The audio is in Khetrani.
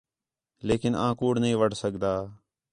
لیکن آں کُوڑ نہیں وڈھ سڳدا